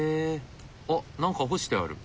あっ何か干してある。